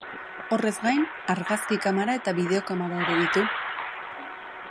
Horrez gain, argazki-kamara eta bideo-kamara ere ditu.